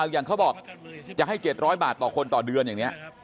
อย่างเขาบอกจะให้๗๐๐บาทต่อคนต่อเดือนอย่างนี้